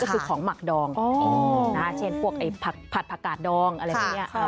ก็คือของหมักดองเช่นพวกผัดผักกาดดองอะไรพวกนี้